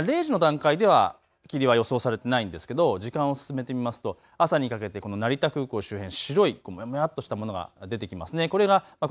このあと深夜０時の段階では霧は予想されてないんですけど時間を進めてみますと朝にかけてこの成田空港周辺、白いもやもやとしたものが出てきますね。